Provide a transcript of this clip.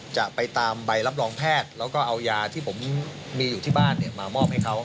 จะไปตามใบรับรองแพทย์แล้วก็เอายาที่ผมมีอยู่ที่บ้านมามอบให้เขา